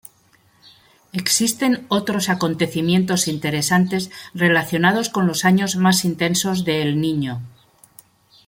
Existen otros acontecimientos interesantes relacionados con los años más intensos de El Niño.